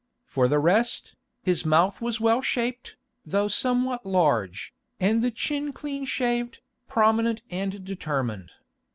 For the rest, his mouth was well shaped, though somewhat large, and the chin clean shaved, prominent and determined.